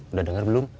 udah denger belum